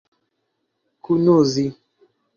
kunuzi